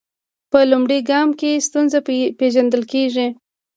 په لومړي ګام کې ستونزه پیژندل کیږي.